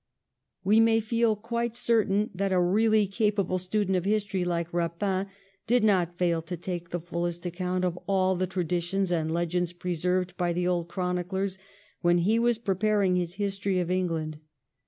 We may feel quite certain that a really capable student of history Uke Eapin did not fail to take the fullest account of all the traditions and legends preserved by the old chroniclers when he was preparing his History of England.